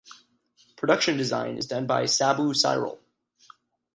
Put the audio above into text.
Production design is done by Sabu Cyril.